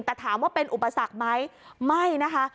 แต่ถามว่าเป็นอุปสรรคไหมไม่นะคะ